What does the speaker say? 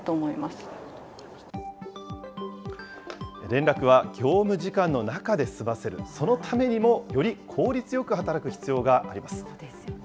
連絡は業務時間の中で済ませる、そのためにも、より効率よく働く必要があります。